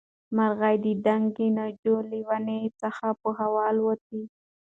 مرغۍ د دنګې ناجو له ونې څخه په هوا والوتې.